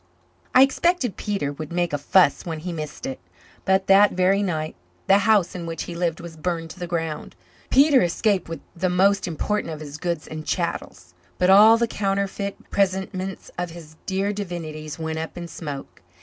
I expected Peter would make a fuss when he missed it, but that very night the house in which he lived was burned to the ground. Peter escaped with the most important of his goods and chattels, but all the counterfeit presentments of his dear divinities went up in smoke.